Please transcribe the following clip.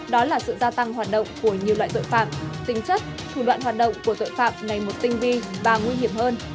đó là sự gia tăng hoạt động của nhiều loại tội phạm tính chất thủ đoạn hoạt động của tội phạm ngày một tinh vi và nguy hiểm hơn